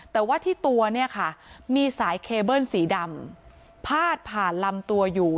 แต่ว่าที่ตัวเนี่ยค่ะมีสายเคเบิ้ลสีดำพาดผ่านลำตัวอยู่